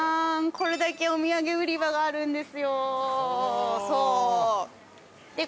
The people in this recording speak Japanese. これだけお土産売り場があるんですよ